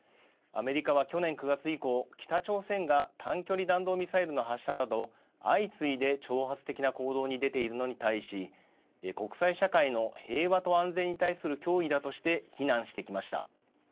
アメリカは去年９月以降、北朝鮮が短距離弾道ミサイルの発射など、相次いで挑発的な行動に出ているのに対し国際社会の平和と安全に対する脅威だとして非難してきました。